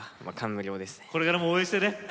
これからも応援してね。